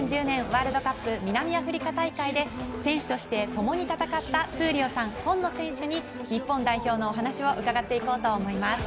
ワールドカップ南アフリカ大会で選手として共に戦った闘莉王さん今野選手に日本代表のお話を伺っていこうと思います。